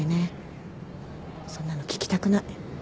そんなの聞きたくない。